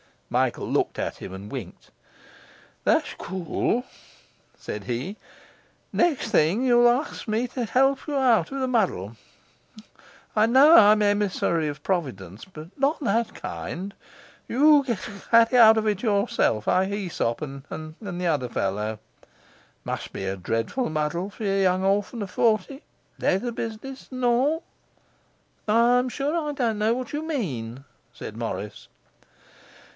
Michael looked at him and winked. 'That's cool,' said he. 'Next thing, you'll ask me to help you out of the muddle. I know I'm emissary of Providence, but not that kind! You get out of it yourself, like Aesop and the other fellow. Must be dreadful muddle for young orphan o' forty; leather business and all!' 'I am sure I don't know what you mean,' said Morris.